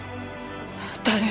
誰？